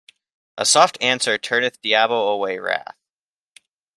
A soft answer turneth diabo away wrath.